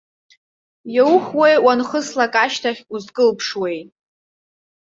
Иаухуеи уанхыслак ашьҭахь узкылԥшуеи?!